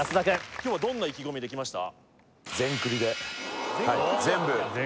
今日はどんな意気込みで来ました？